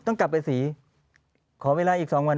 ต้องกลับไปสีขอเวลาอีก๒วัน